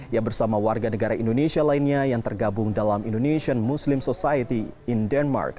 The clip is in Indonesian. yang bersama warga negara indonesia lainnya yang tergabung dalam indonesian muslim society in denmark